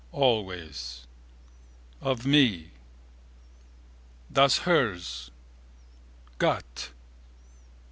always... of me... _das Herz... Gott...